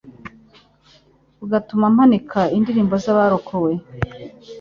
ugatuma mpanika indirimbo z’abarokowe